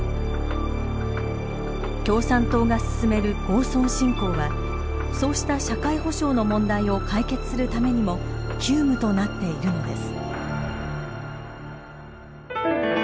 共産党が進める郷村振興はそうした社会保障の問題を解決するためにも急務となっているのです。